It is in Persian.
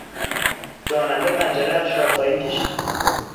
راننده پنجرهاش را پایین کشید.